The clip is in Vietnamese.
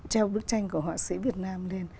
treo bức tranh của họa sĩ việt nam lên